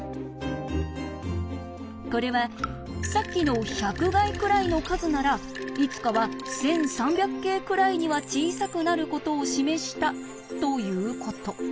これはさっきの１００垓くらいの数ならいつかは１，３００京くらいには小さくなることを示したということ。